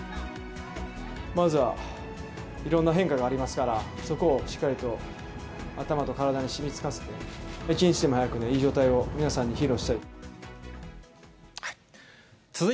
まずは、いろんな変化がありますから、そこをしっかりと、頭と体にしみつかせて、一日でも早くいい状態を皆さんに披露したい。